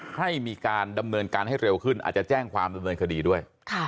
ให้มีการดำเนินการให้เร็วขึ้นอาจจะแจ้งความดำเนินคดีด้วย